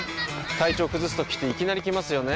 体調崩すときっていきなり来ますよね。